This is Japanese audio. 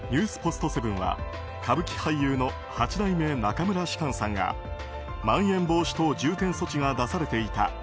ポストセブンは歌舞伎俳優の八代目中村芝翫さんがまん延防止等重点措置が出されていた